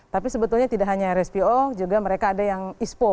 tapi sebetulnya tidak hanya rspo juga mereka ada yang ispo